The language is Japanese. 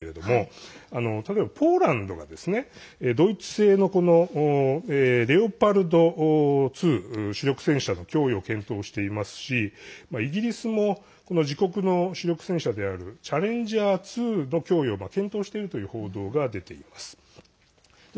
戦車の供与を求める発言というのもありましたけれども例えばポーランドがドイツ製のレオパルト２主力戦車の供与を検討していますしイギリスも自国の主力戦車であるチャレンジャー２の供与を検討しているという報道が出ています。